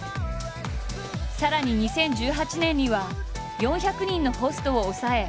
さらに２０１８年には４００人のホストを抑え